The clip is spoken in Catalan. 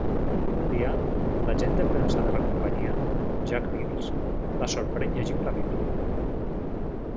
Un dia, l’agent de premsa de la companyia, Jack Mills, la sorprèn llegint la Bíblia.